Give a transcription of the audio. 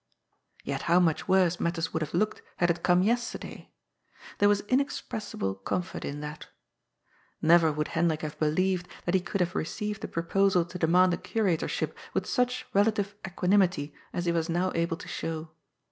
Yet how much worse matters would have looked had it come yesterday ! There was inexpressible comfort in that. Never would Hendrik have believed that he could have re ceived the proposal to demand a curatorship with such rela tive equanimity as he was now able to show.